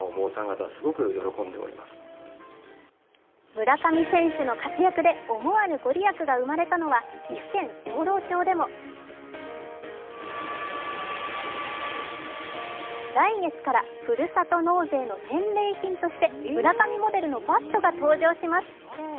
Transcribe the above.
村上選手の活躍で思わぬ御利益が生まれたのは岐阜県養老町でも来月から、ふるさと納税の返礼品としても村上モデルのバットが登場します。